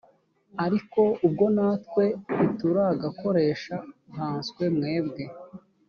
ariko ubwo natwe ntituragakoresha nkanswe mwebwe